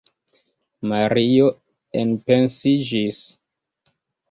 Mario enpensiĝis.